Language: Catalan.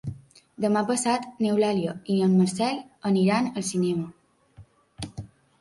Demà passat n'Eulàlia i en Marcel aniran al cinema.